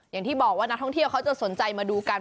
อย่างที่บอกว่านักท่องเที่ยวเขาจะสนใจมาดูกัน